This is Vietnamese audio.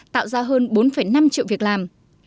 tạo ra hơn bốn năm triệu việc làm